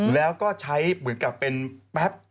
แล้วก็ใช้เหมือนกับเป็นแป๊บ